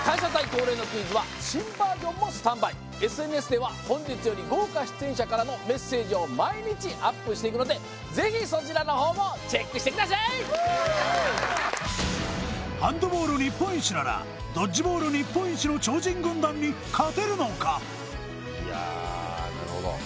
恒例のクイズは新バージョンもスタンバイＳＮＳでは本日より豪華出演者からのメッセージを毎日アップしていくのでぜひそちらの方もハンドボール日本一ならドッジボール日本一の超人軍団に勝てるのか？